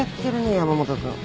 山本君。